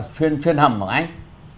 xuyên hầm hả anh